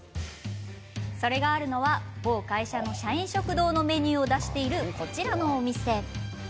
それがあるのは某会社の社員食堂のメニューを出している、こちらのお店。